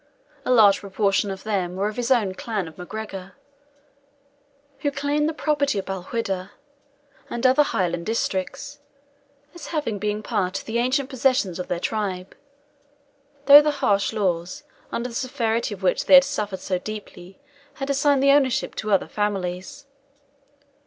A large proportion of them were of his own clan of MacGregor, who claimed the property of Balquhidder, and other Highland districts, as having been part of the ancient possessions of their tribe; though the harsh laws, under the severity of which they had suffered so deeply, had assigned the ownership to other families.